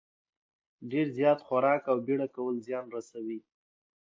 ډېر زیات خوراک او بېړه کول زیان رسوي.